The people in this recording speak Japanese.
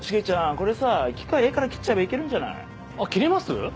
これさ機械画から切っちゃえばいけるんじゃない？切れます？